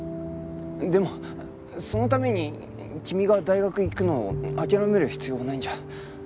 でもそのために君が大学行くのを諦める必要はないんじゃ。